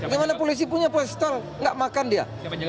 dimana polisi punya postal nggak makan dia